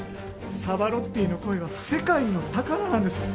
サバロッティの声は世界の宝なんです。